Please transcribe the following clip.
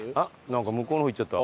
なんか向こうの方行っちゃった。